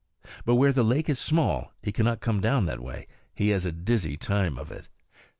But where the lake is small, and he cannot come down that way, he has a dizzy time of it.